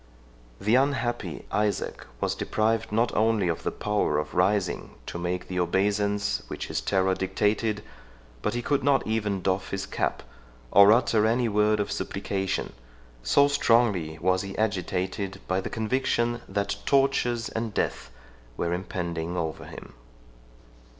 The unhappy Isaac was deprived not only of the power of rising to make the obeisance which his terror dictated, but he could not even doff his cap, or utter any word of supplication; so strongly was he agitated by the conviction that tortures and death were impending over him.